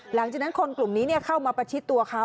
หลังจากนั้นคนกลุ่มนี้เข้ามาประชิดตัวเขา